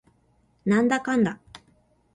なんだかんだ